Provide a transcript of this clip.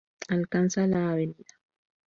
Alcanza la Av.